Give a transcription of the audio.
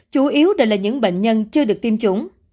chủ yếu đều là những bệnh nhân chưa được tiêm chủng